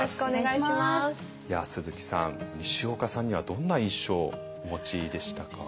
いや鈴木さんにしおかさんにはどんな印象をお持ちでしたか？